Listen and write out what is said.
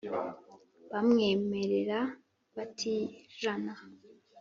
Bamwemerera batijana